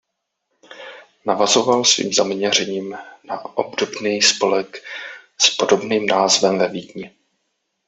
Navazoval svým zaměřením na obdobný spolek s podobným názvem ve Vídni.